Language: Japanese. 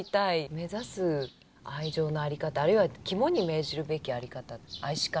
目指す愛情の在り方あるいは肝に銘じるべき在り方愛し方。